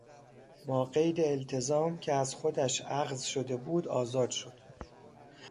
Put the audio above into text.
با قید التزام که از خودش اخذ شده بود آزاد شد.